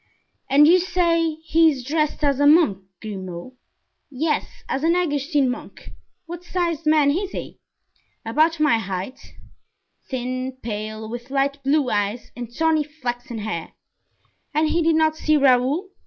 "And you say he is dressed as a monk, Grimaud?" "Yes, as an Augustine monk." "What sized man is he?" "About my height; thin, pale, with light blue eyes and tawny flaxen hair." "And he did not see Raoul?"